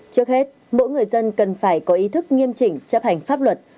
trước hết mỗi người dân cần phải có ý thức nghiêm chỉnh chấp hành pháp luật